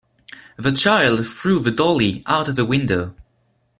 The child threw the dolly out of the window.